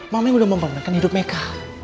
mama yang udah memperkenalkan hidup meka